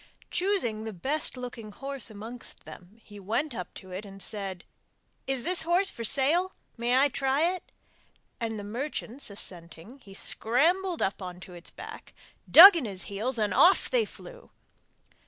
Choosing the best looking horse amongst them he went up to it and said: 'Is this horse for sale? may I try it?' and, the merchants assenting, he scrambled up on its back, dug in his heels, and off they flew.